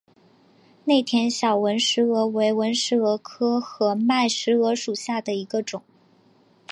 内田小纹石蛾为纹石蛾科合脉石蛾属下的一个种。